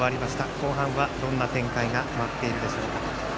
後半はどんな展開が待っているでしょうか。